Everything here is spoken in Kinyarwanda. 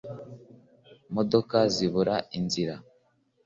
modoka zibura inzira.